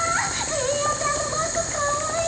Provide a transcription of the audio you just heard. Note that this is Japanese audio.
ベーヤちゃんのバッグかわいい！